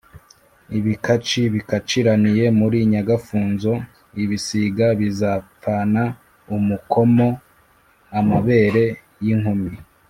Ibikaci bikaciraniye muri Nyagafunzo, ibisiga bizapfana umukomo-Amabere y'inkumi.